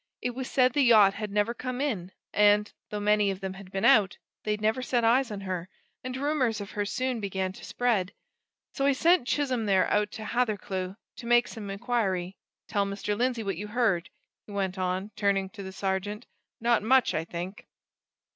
It was said the yacht had never come in, and, though many of them had been out, they'd never set eyes on her, and rumours of her soon began to spread. So I sent Chisholm there out to Hathercleugh to make some inquiry tell Mr. Lindsey what you heard," he went on, turning to the sergeant. "Not much, I think."